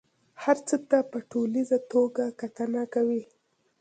هر څه ته په ټوليزه توګه کتنه کوي.